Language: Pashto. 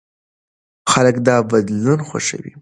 خلک دا بدلون خوښوي.